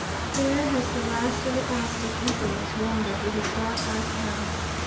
There has the last of the Aztec emperors wandered with his dark eyed harem.